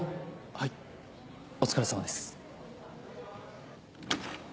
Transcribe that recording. はいお疲れさまです